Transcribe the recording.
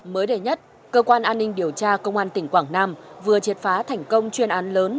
mới đây nhất cơ quan an ninh điều tra công an tỉnh quảng nam vừa triệt phá thành công chuyên án lớn